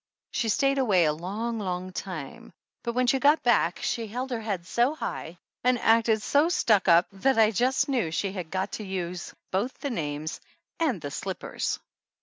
She stayed away a long, long time, but when she got back she held her head so high and acted so stuck up that I just knew she had got to use both the names and the slippers.